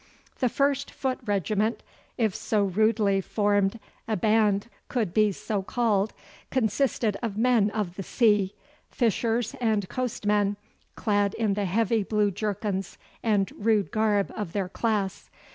The first foot regiment, if so rudely formed a band could be so called, consisted of men of the sea, fishers and coastmen, clad in the heavy blue jerkins and rude garb of their class.